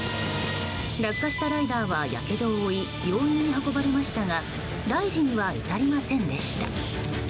落下したライダーはやけどを負い病院に運ばれましたが大事には至りませんでした。